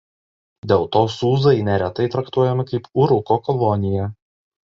Dėl to Sūzai neretai traktuojami kaip Uruko kolonija.